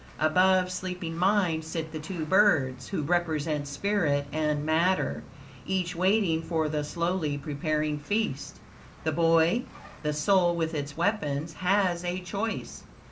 Above sleeping mind sit the two birds, who represent spirit and matter, each waiting for the slowly preparing feast. The boy, the soul with its weapons, has a choice.